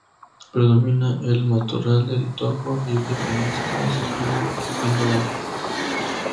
Predomina el matorral de tojo y de genista, así como el pino bajo.